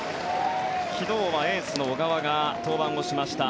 昨日はエースの小川が登板をしました。